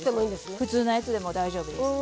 普通のやつでもいいんですね。